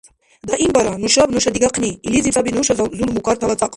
Даимбара! Нушаб нуша дигахъни, - илизиб саби нуша зулмукартала цӀакь.